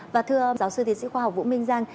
và thưa giáo sư tiến sĩ khoa học vũ minh giang